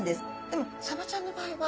でもサバちゃんの場合は。